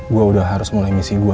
gue udah harus mulai misi gue